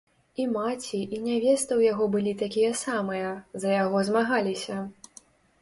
І маці, і нявеста ў яго былі такія самыя, за яго змагаліся.